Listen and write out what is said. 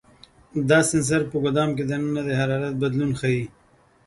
دا سنسر په ګدام کې دننه د حرارت بدلون ښيي.